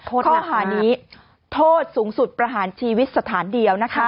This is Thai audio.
ข้อหานี้โทษสูงสุดประหารชีวิตสถานเดียวนะคะ